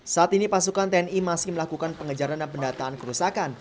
saat ini pasukan tni masih melakukan pengejaran dan pendataan kerusakan